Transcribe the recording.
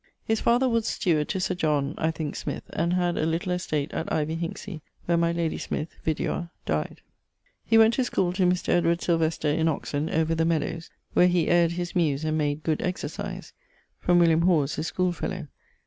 His father was steward to Sir John (I thinke) Smyth; and had a little estate at Ivy Hinksey, where my lady Smyth (vidua) dyed. He went to schoole to Mr. Sylvester in Oxon, over the meadowes, where he ayred his muse, and made good exercise: from William Hawes, his schoolefellow.